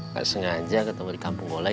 gak sengaja ketemu di kampung kulai